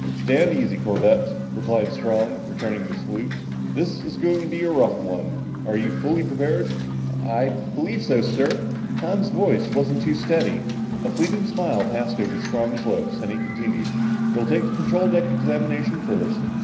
"Stand easy, Corbett," replied Strong, returning the salute. "This is going to be a rough one. Are you fully prepared?" "I believe so, sir." Tom's voice wasn't too steady. A fleeting smile passed over Strong's lips, then he continued. "You'll take the control deck examination first.